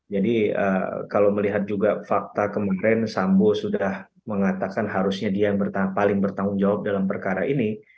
jadi kalau melihat juga fakta kemarin sambo sudah mengatakan harusnya dia yang paling bertanggung jawab dalam perkara ini